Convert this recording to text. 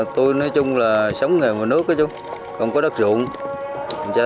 tôi nói chung là sống nghề mùa nước không có đất ruộng